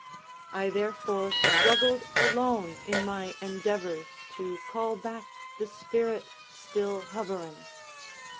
I therefore struggled alone in my endeavors to call back the spirit ill hovering.